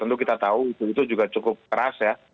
tentu kita tahu itu juga cukup keras ya